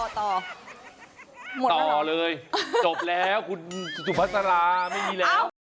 ต่อเลยจบแล้วคุณสุภาษาราไม่มีแล้ว